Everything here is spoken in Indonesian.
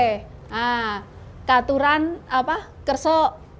nah katuran apa kerso